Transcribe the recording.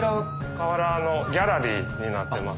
瓦のギャラリーになってます。